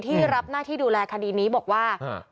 ที่รับหน้าที่ดูแลคดีนี้บอกว่า